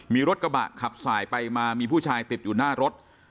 มีรถกระบะขับสายไปมามีผู้ชายติดอยู่หน้ารถ